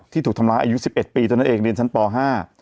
ถูกทำร้ายอายุสิบเอ็ดปีเท่านั้นเองเรียนชั้นปห้า